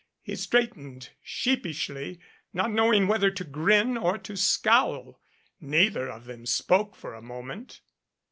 He straightened sheepishly, not knowing whether to grin or to scowl. Neither of them spoke for a moment.